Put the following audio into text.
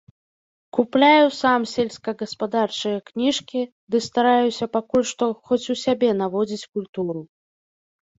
Купляю сам сельскагаспадарчыя кніжкі ды стараюся пакуль што хоць у сябе наводзіць культуру.